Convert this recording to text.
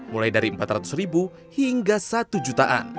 mulai dari rp empat ratus hingga rp satu jutaan